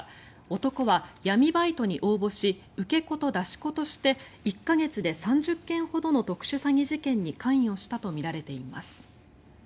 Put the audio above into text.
男は闇バイトに応募し受け子と出し子として１か月で３０件ほどの特殊詐欺事件に関与したとみられています。